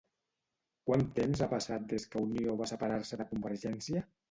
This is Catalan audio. Quant temps ha passat des que Unió va separar-se de Convergència?